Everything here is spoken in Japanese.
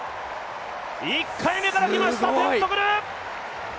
１回目からきました、テントグル。